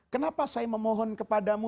kenapa saya memohon kepadamu